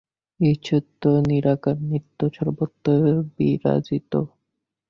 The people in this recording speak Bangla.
ঈশ্বর তো নিরাকার, নিত্য, সর্বত্র বিরাজিত।